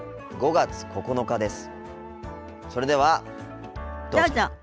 ５月９日です。